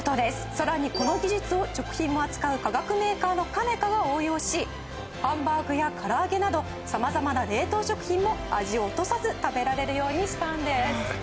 さらにこの技術を食品も扱うハンバーグやから揚げなど様々な冷凍食品も味を落とさず食べられるようにしたんです。